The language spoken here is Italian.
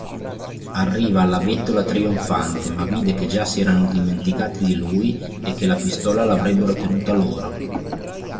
Arriva alla bettola trionfante ma vide che già si erano dimenticati di lui e che la pistola l'avrebbero tenuta loro.